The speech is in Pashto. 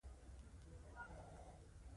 کله چې سره شوه له قالبه یې راباسي د خوړلو لپاره.